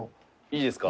いいですか？